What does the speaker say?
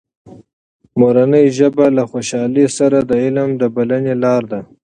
مورنۍ ژبه له خوشحالۍ سره د علم د بلنې لاره ده.